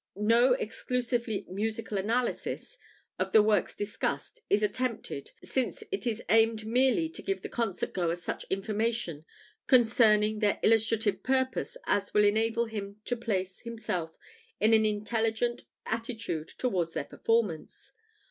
No exclusively musical analysis of the works discussed is attempted, since it is aimed merely to give the concert goer such information concerning their illustrative purpose as will enable him to place himself in an intelligent attitude towards their performance.